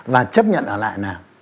và chấp nhận ở lại nào